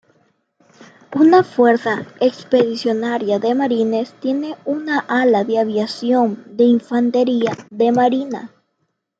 Una Fuerza Expedicionaria de Marines tiene una Ala de Aviación de Infantería de Marina.